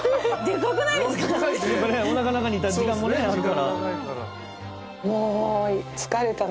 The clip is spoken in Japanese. ずっとおなかの中にいた時間もねあるから。